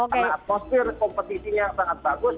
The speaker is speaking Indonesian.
karena atmosfer kompetisinya sangat bagus